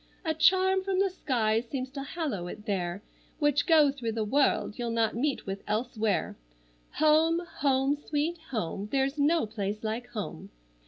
A charm from the skies seems to hallow it there, Which, go through the world, you'll not meet with elsewhere. Home, home, sweet home! There's no place like home.